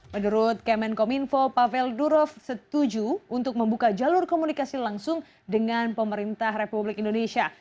menurut kemenkominfo pavel durov setuju untuk membuka jalur komunikasi langsung dengan pemerintah republik indonesia